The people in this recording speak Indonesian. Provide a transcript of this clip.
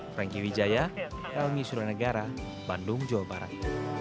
franky wijaya helmi suranegara bandung jawa barat